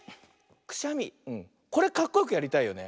くしゃみこれかっこよくやりたいよね。